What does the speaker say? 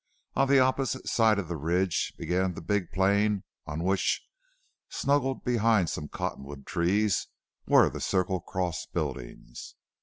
On the opposite side of the ridge began the big plain on which, snuggled behind some cottonwood trees, were the Circle Cross buildings.